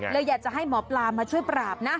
อยากจะให้หมอปลามาช่วยปราบนะ